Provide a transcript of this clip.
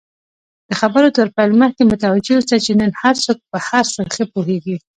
د خبرو تر پیل مخکی متوجه اوسه، چی نن هرڅوک په هرڅه ښه پوهیږي!